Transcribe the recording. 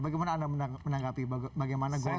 bagaimana anda menanggapi bagaimana gus